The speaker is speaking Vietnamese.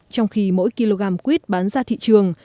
trong khi mỗi kg quýt bán ra thị trường